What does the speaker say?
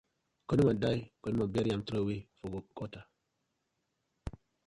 Cunny man die, cunny man bury am troway for gutter.